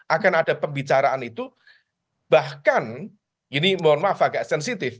akan ada pembicaraan itu bahkan ini mohon maaf agak sensitif